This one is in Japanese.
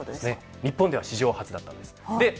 日本では史上初だったのです。